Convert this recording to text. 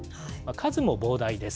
数も膨大です。